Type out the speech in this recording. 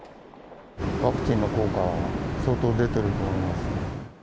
ワクチンの効果は相当出ていると思います。